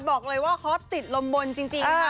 บอกเลยว่าฮอตติดลมบนจริงค่ะ